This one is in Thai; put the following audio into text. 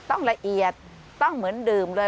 ละเอียดต้องเหมือนดื่มเลย